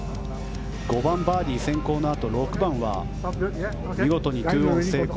５番、バーディー先行のあと６番は見事に２オン成功。